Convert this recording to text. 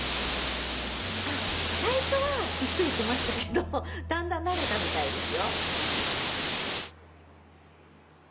最初はびっくりしてましたけどだんだん慣れたみたいですよ。